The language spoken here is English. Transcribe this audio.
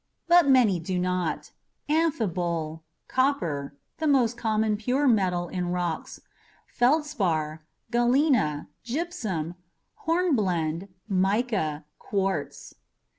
But many do not: amphibole, copper (the most common pure metal in rocks), feldspar, galena, gypsum, hornblende, mica, quartz.